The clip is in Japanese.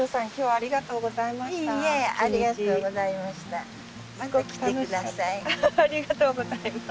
ありがとうございます。